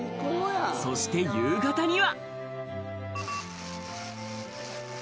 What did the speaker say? そして夕方には。